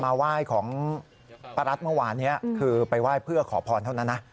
มาไหว้ของป้ารัฐเมื่อวานนี้คือไปไหว้เพื่อขอพรเท่านั้นนะ